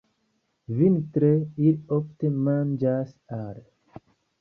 Vintre ili ofte manĝas are.